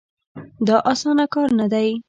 دا اسانه کار نه دی.